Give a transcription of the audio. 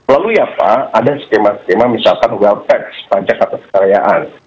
lalu ya pak ada skema skema misalkan well tax pajak atau kekayaan